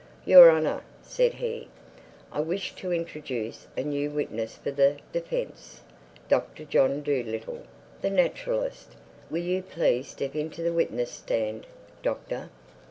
"Your Honor," said he, "I wish to introduce a new witness for the defense, Doctor John Dolittle, the naturalist. Will you please step into the witness stand, Doctor?"